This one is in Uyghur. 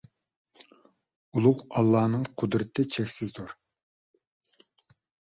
ئۇلۇغ ئاللاھنىڭ قۇدرىتى چەكسىزدۇر!